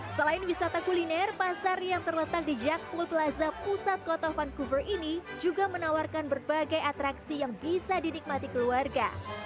selain wisata kuliner pasar yang terletak di jakpul plaza pusat kota vancouver ini juga menawarkan berbagai atraksi yang bisa dinikmati keluarga